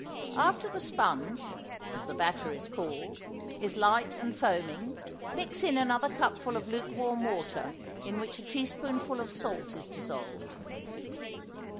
After the sponge as the batter is called is light and foaming, mix in another cupful of lukewarm water in which a teaspoonful of salt is dissolved.